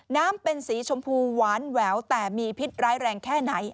น้ำเป็นสีชมพูหวานแหววแต่มีพิษร้ายแรงแค่ไหน